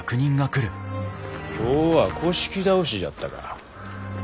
今日は倒しじゃったか。